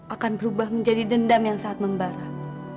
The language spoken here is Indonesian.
akan berubah menjadi dendam yang saat membarah